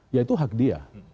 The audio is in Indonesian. yaitu hak dia